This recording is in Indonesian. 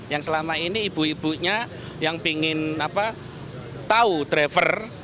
yang selama ini ibu ibunya yang ingin tahu driver